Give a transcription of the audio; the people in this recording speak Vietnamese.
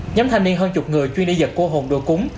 nhóm thanh niên hơn chục người chuyên đi giật cô hồn đồ cúng